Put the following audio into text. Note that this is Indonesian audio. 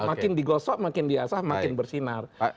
makin digosok makin diasah makin bersinar